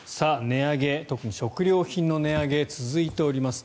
値上げ、特に食料品の値上げが続いています。